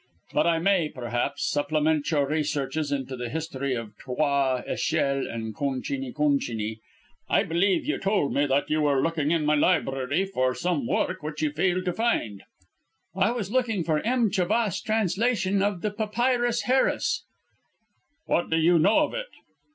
But I may perhaps supplement your researches into the history of Trois Echelles and Concini Concini. I believe you told me that you were looking in my library for some work which you failed to find?" "I was looking for M. Chabas' translation of the Papyrus Harris." "What do you know of it?"